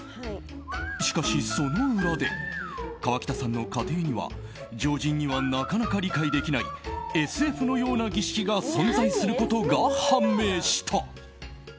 しかし、その裏で河北さんの家庭には常人にはなかなか理解できないＳＦのような儀式が存在することが判明した。